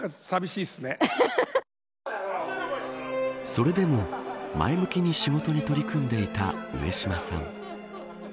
それでも前向きに仕事に取り組んでいた上島さん。